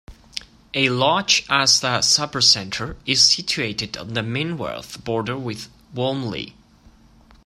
A large Asda Supercentre is situated on the Minworth border with Walmley.